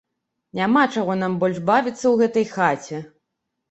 Няма чаго нам больш бавіцца ў гэтай хаце.